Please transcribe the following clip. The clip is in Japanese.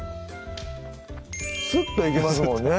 スッといけますもんね